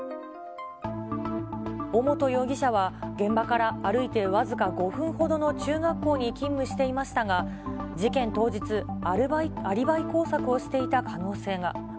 尾本容疑者は現場から歩いて僅か５分ほどの中学校に勤務していましたが、事件当日、アリバイ工作をしてしていた可能性が。